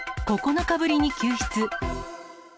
９日ぶりに救出。